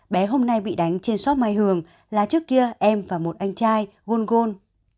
bé hôm nay bị đánh trên shop mai hường lá trước kia em và một anh trai gôn gôn